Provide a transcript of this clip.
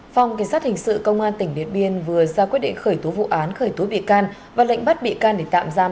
phòng kỳ sát hình sự công an tỉnh điện biên vừa ra quyết định khởi tố vụ án khởi tố bị can và lệnh bắt bị can để tạm giam